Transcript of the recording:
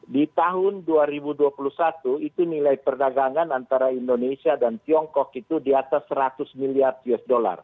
di tahun dua ribu dua puluh satu itu nilai perdagangan antara indonesia dan tiongkok itu di atas seratus miliar usd